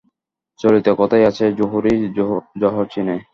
চলিত কথায় আছে, জহুরীই জহর চেনে।